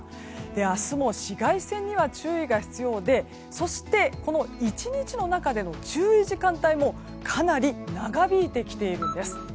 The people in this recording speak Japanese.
明日も、紫外線には注意が必要でそして、１日の中での注意時間帯もかなり長引いてきているんです。